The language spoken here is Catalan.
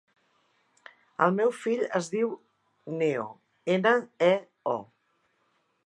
El meu fill es diu Neo: ena, e, o.